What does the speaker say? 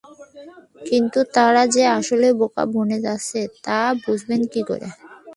কিন্তু তারা যে আসলেই বোকা বনে যাচ্ছে, তা বুঝবেন কী করে?